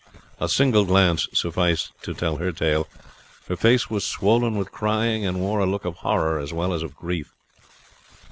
A single glance sufficed to tell her tale. Her face was swollen with crying, and wore a look of horror as well as of grief.